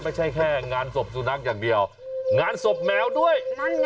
ไม่ใช่แค่งานศพสุนัขอย่างเดียวงานศพแมวด้วยนั่นไง